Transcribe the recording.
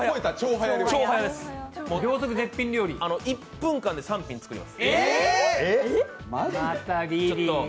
もう１分間で３品作ります。